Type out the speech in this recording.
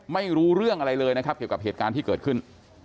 ไม่รู้เรื่องอะไรเลยนะครับเกี่ยวกับเหตุการณ์ที่เกิดขึ้น